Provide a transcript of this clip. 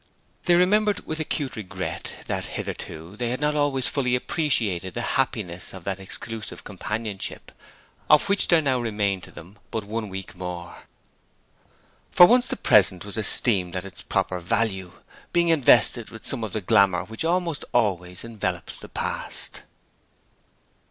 They remembered with acute regret that hitherto they had not always fully appreciated the happiness of that exclusive companionship of which there now remained to them but one week more. For once the present was esteemed at its proper value, being invested with some of the glamour which almost always envelops the past.